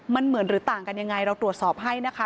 มันเหมือนหรือต่างกันยังไงเราตรวจสอบให้นะคะ